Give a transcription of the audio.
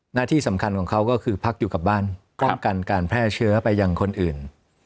หน้าที่สำคัญของเขาก็คือพักอยู่กับบ้านป้องกันการแพร่เชื้อไปยังคนอื่น